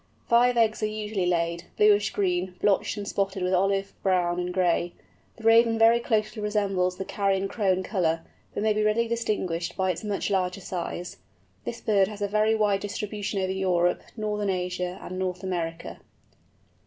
Five eggs are usually laid, bluish green, blotched and spotted with olive brown and gray. The Raven very closely resembles the Carrion Crow in colour, but may readily be distinguished by its much larger size. This bird has a very wide distribution over Europe, Northern Asia, and North America.